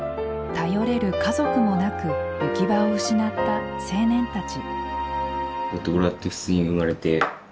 頼れる家族もなく行き場を失った青年たち。